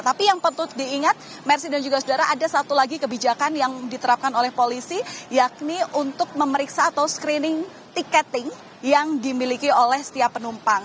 tapi yang penting diingat mersi dan juga saudara ada satu lagi kebijakan yang diterapkan oleh polisi yakni untuk memeriksa atau screening ticketing yang dimiliki oleh setiap penumpang